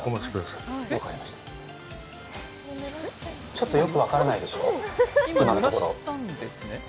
ちょっとよく分からないでしょ、今のところ。